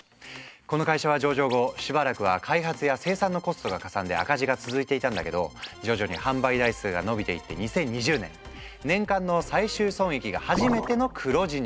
この会社は上場後しばらくは開発や生産のコストがかさんで赤字が続いていたんだけど徐々に販売台数が伸びていって２０２０年年間の最終損益が初めての黒字に。